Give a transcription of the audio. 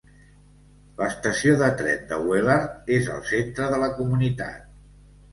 L'estació de tren de Wellard és al centre de la comunitat.